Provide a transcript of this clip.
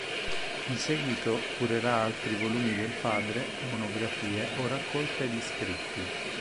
In seguito curerà altri volumi del padre, monografie o raccolte di scritti.